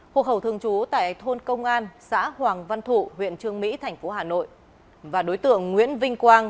hộp hậu thường trú tại thôn công an xã hoàng văn thụ huyện trương mỹ tp hcm và đối tượng nguyễn vinh quang